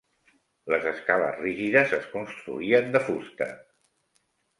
Les escales rígides es construïen de fusta.